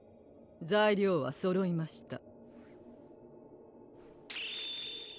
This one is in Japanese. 材料はそろいました